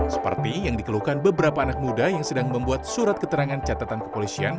seperti yang dikeluhkan beberapa anak muda yang sedang membuat surat keterangan catatan kepolisian